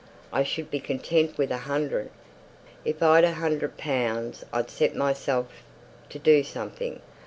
I should be content with a hundred. If I'd a hundred pounds I'd set myself to do something.